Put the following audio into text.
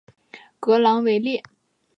格朗维列。